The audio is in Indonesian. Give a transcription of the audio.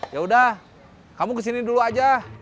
ya udah kamu kesini dulu aja